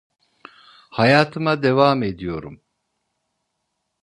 Hayatıma devam ediyorum.